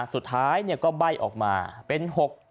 สุดท้ายก็ใบ้ออกมาเป็น๖๗